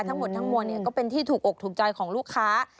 ทั้งหมดทั้งมวลก็เป็นที่ถูกอกถูกใจของลูกค้า